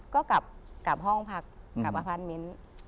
ก็กลับห้องพักกลับมาพัดเม้น